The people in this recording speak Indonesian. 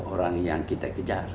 orang yang kita kejar